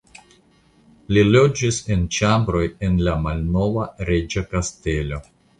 Li loĝis en ĉambroj en la malnova Reĝa Kastelo.